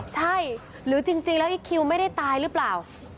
ใช่หรือจริงแล้วอีคิวไม่ได้ตายหรือเปล่า